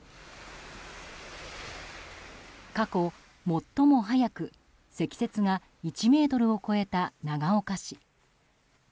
過去最も早く積雪が１ｍを超えた長岡市。